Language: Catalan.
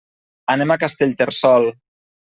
Anem a Castellterçol.